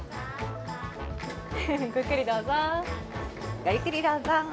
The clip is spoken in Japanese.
ごゆっくりどうぞ。